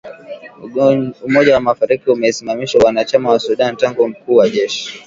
Umoja wa Afrika umeisimamisha uanachama wa Sudan tangu mkuu wa jeshi